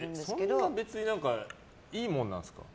そんな別にいいものなんですか？